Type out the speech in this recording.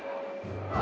あ